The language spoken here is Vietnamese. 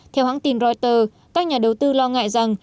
theo hãng tin reuters các nhà đầu tư lo ngại rằng